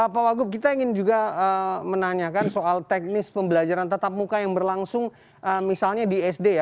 pak wagub kita ingin juga menanyakan soal teknis pembelajaran tetap muka yang berlangsung misalnya di sd ya